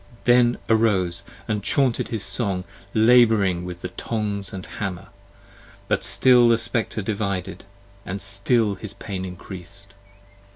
Then arose And chaunted his song, labouring with the tongs and hammer: But still the Spectre divided, and still his pain increas'd!